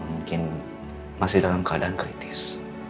mungkin masih dalam keadaan kritis